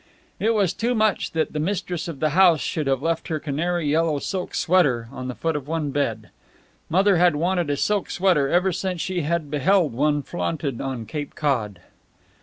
It was too much that the mistress of the house should have left her canary yellow silk sweater on the foot of one bed. Mother had wanted a silk sweater ever since she had beheld one flaunted on Cape Cod.